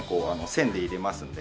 線で入れますんで。